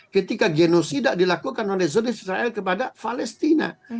ketika genosida dilakukan oleh zone israel kepada palestina